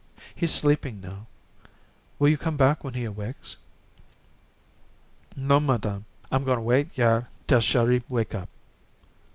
He's sleeping now. Will you come back when he awakes?" "Non, madame. I'm goin' wait yair tell Chéri wake up."